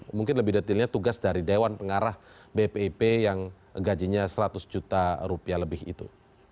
mungkin lebih detailnya tugas dari dewan pengarah bpip yang gajinya seratus juta rupiah lebih itu